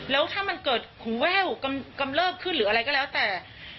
แล้วถ้ามันเกิดหูแว่วกำเริบขึ้นหรืออะไรก็แล้วแต่